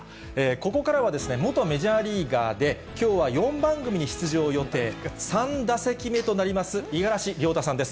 ここからは元メジャーリーガーで、きょうは４番組に出場予定、３打席目となります、五十嵐亮太さんです。